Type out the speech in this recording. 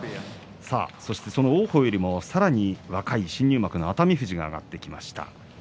さあ、その王鵬よりも若い新入幕の熱海富士が上がってきました。